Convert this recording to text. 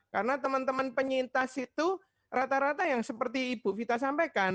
karena teman teman penyintas itu rata rata yang seperti ibu vita sampaikan